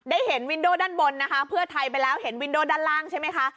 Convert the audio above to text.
เห็นวินโดด้านบนนะคะเพื่อไทยไปแล้วเห็นวินโดด้านล่างใช่ไหมคะ